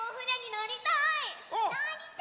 のりたい！